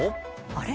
あれ？